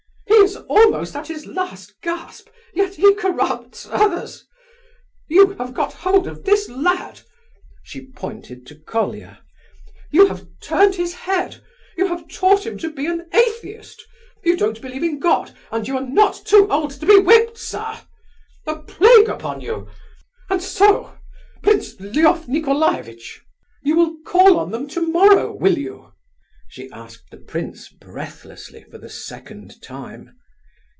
"He is almost at his last gasp, yet he corrupts others. You, have got hold of this lad—" (she pointed to Colia); "you, have turned his head, you have taught him to be an atheist, you don't believe in God, and you are not too old to be whipped, sir! A plague upon you! And so, Prince Lef Nicolaievitch, you will call on them tomorrow, will you?" she asked the prince breathlessly, for the second time.